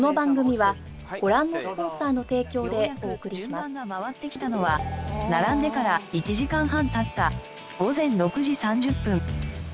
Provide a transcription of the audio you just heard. ようやく順番が回ってきたのは並んでから１時間半経った午前６時３０分。